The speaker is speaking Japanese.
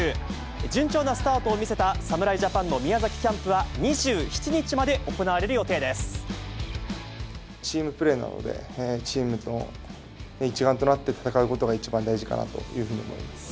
順調なスタートを見せた侍ジャパンの宮崎キャンプは、チームプレーなので、チーム一丸となって戦うことが一番大事かなというふうに思います。